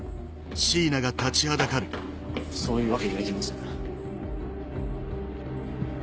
そういうわけにはいきません。